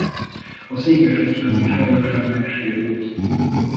A székesegyház is erősen megsérült.